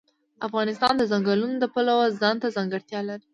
افغانستان د ځنګلونو د پلوه ځانته ځانګړتیا لري.